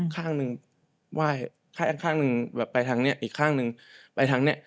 ข้างนึงว่ายข้างนึงไปทางนี้อีกข้างนึงไปทางนี้